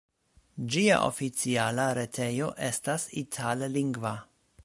Ĝia oficiala retejo estas itallingva.